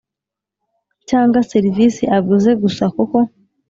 cyangwa serivisi aguze gusa kuko